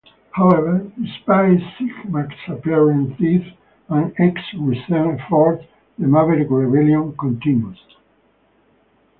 However, despite Sigma's apparent death and X's recent efforts, the Maverick rebellion continues.